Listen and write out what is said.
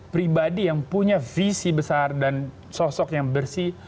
pribadi yang punya visi besar dan sosok yang bersih